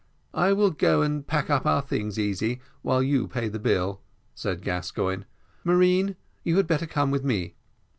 "I will go and pack up our things, Easy, while you pay the bill," said Gascoigne. "Marine, you had better come with me."